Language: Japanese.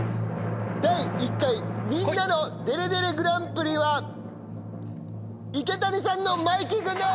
第１回みんなのデレデレグランプリは池谷さんのマイキーくんです！